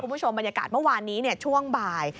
คุณผู้ชมบรรยากาศเมื่อวานนี้ช่วงบ่าย